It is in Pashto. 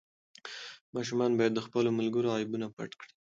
ماشومان باید د خپلو ملګرو عیبونه پټ کړي.